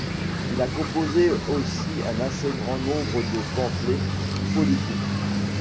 Il a composé aussi un assez grand nombre de pamphlets politiques.